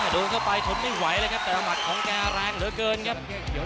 โดนเข้าไปทนไม่ไหวเลยครับแต่ละหมัดของแกแรงเหลือเกินครับ